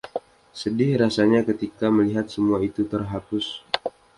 Sedih rasanya ketika melihat semua itu terhapus.